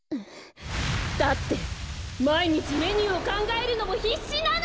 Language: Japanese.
だってまいにちメニューをかんがえるのもひっしなのよ！